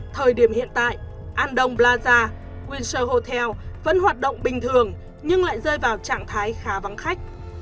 thời điểm hiện tại andong plaza windsor hotel vẫn hoạt động bình thường nhưng lại rơi vào trạng thái khá vắng khách